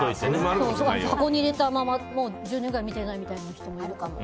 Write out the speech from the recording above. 箱に入れたままもう１０年くらい見てない人もいるかも。